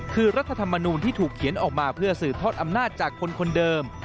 คือรัฐธรรมนูลที่ถูกเขียนออกมาเพื่อสืบทอดอำนาจจากคนคนเดิม